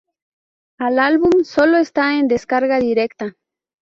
Al album sólo está en descarga directa.